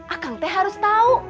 akang teh harus tahu